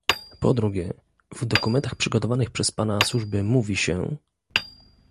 Po drugie, w dokumentach przygotowanych przez pana służby mówi się